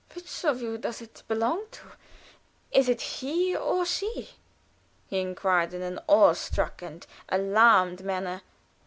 "Which of you does it belong to? Is it he or she?" he inquired in an awe struck and alarmed manner.